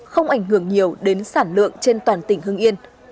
không ảnh hưởng nhiều đến sản lượng trên toàn tỉnh hưng yên